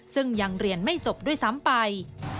ซึ่งยังเรียนไม่จบด้วยซ้ำไป